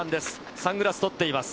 サングラス取っています。